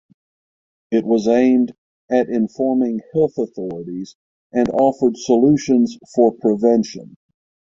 It was aimed at informing health authorities and offered solutions for prevention.